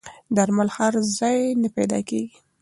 درمل هر ځای نه پیدا کېږي.